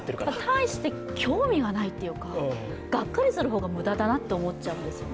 大して興味がないっていうか、がっかりするほど無駄だなと思っちゃうんですよね。